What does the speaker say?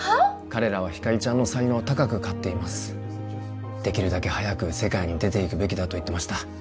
彼らはひかりちゃんの才能を高く買っていますできるだけ早く世界に出ていくべきだと言ってました